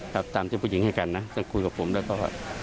ตามที่ผู้หญิงให้กันนะแต่คุยกับผมแล้วก็